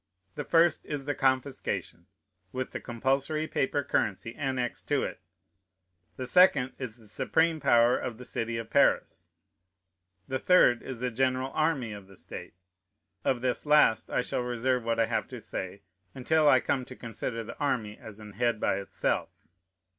The first is the confiscation, with the compulsory paper currency annexed to it; the second is the supreme power of the city of Paris; the third is the general army of the state. Of this last I shall reserve what I have to say, until I come to consider the army as an head by itself.